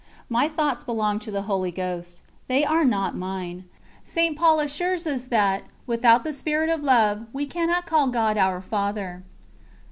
My thoughts belong to the Holy Ghost. They are not mine. St. Paul assures us that _without the Spirit of Love, we cannot call God our Father.